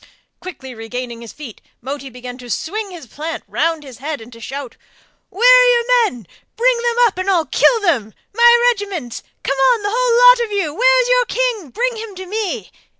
Quickly regaining his feet Moti began to swing his plant round his head and to shout: 'Where are your men? Bring them up and I'll kill them. My regiments! Come on, the whole lot of you! Where's your king? Bring him to me.